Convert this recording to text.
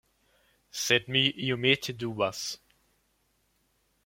Sed mi iomete dubas.